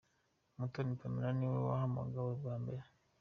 Umutoni Pamela niwe wahamagawe bwa mbere.